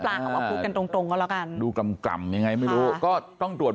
เปล่าพูดกันตรงก็แล้วกันดูกล่ำกล่ำยังไงไม่รู้ก็ต้องตรวจ